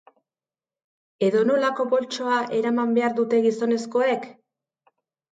Edo nolako boltsoa eraman behar duten gizonezkoek?